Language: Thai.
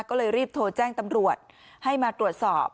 ก็เลยรีบโทรแจ้งตำรวจให้มาตรวจสอบ